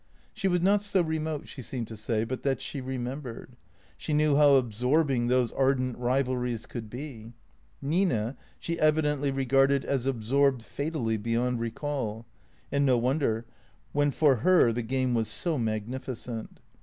She was not so re mote, she seemed to say, but that she remembered. She knew how absorbing those ardent rivalries could be. Nina she evi dently regarded as absorbed fatally, beyond recall; and no won der, when for her the game was so magnificent.